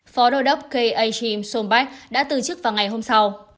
phó đối đốc k a chim sombach đã từ chức vào ngày hôm sau